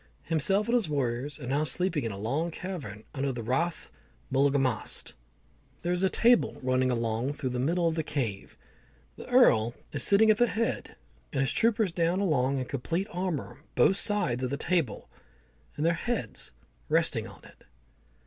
Himself and his warriors are now sleeping in a long cavern under the Rath of Mullaghmast. There is a table running along through the middle of the cave. The Earl is sitting at the head, and his troopers down along in complete armour both sides of the table, and their heads resting on it.